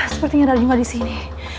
sepertinya raju gak disini